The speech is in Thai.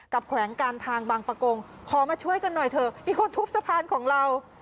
แขวงการทางบางประกงขอมาช่วยกันหน่อยเถอะมีคนทุบสะพานของเรา